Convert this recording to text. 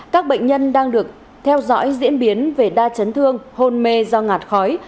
các bệnh nhân đang được theo dõi diễn biến về đa chấn thương hôn mê do ngạt khói